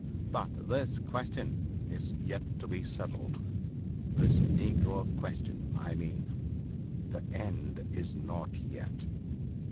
But this question is yet to be settled this negro question I mean. The end is not yet."